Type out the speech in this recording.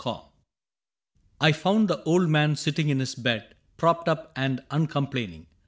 Ill I found the old man sitting in his bed. Propped up and uncomplaining.